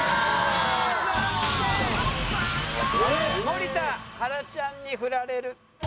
森田はらちゃんにフラれる。